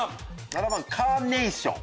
７番カーネーション。